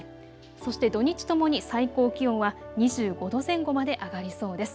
そして土日ともに最高気温は２５度前後まで上がりそうです。